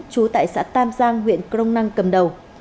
trú tại xã tam giang huyện crong năng cầm đầu